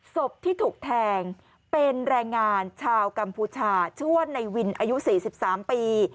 ศพที่ถูกแทงเป็นแรงงานชาวกัมพูชาชื่อว่าในวินอายุ๔๓ปี